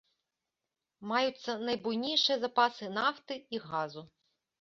Маюцца найбуйнейшыя запасы нафты і газу.